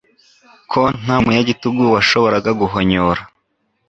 Ko nta munyagitugu washoboraga guhonyora